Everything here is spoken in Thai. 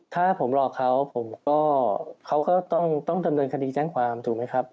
ถ้าผมหลอกเขาผมก็เขาก็ต้องดำเนินคดีแจ้งความถูกไหมครับ